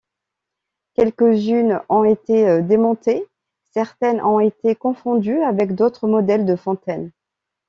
Quelques-unes ont été démontées, certaines ont été confondues avec d'autres modèles de fontaines.